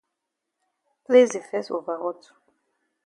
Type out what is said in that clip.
Place di fes over hot.